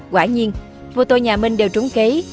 quả nhiên vụ tội nhà minh đều trúng kế